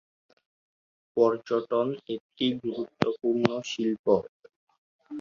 পর্যটন একটি গুরুত্বপূর্ণ শিল্প।